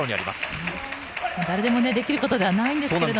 誰でもできることではないんですけど、